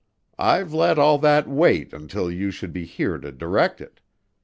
I've let all that wait until you should be here to direct it.